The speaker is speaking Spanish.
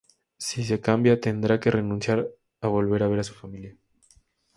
Si se cambia, tendrá que renunciar a volver a ver a su familia.